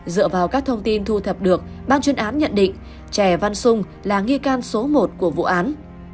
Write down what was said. dựa vào các thông tin thu thập được ban chuyên án nhận định trẻ văn sung là nghi can số một của vụ án